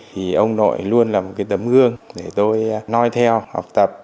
thì ông nội luôn là một cái tấm gương để tôi nói theo học tập